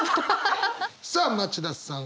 さあ町田さん